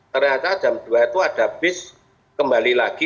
ternyata jam dua itu ada bis kembali lagi